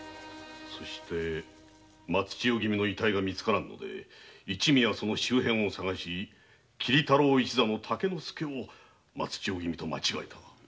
そして松千代君の遺体がみつからぬので一味はその周辺を捜し桐太郎一座の竹之助を松千代君と間違えたかと。